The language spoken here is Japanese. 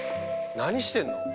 何してんの？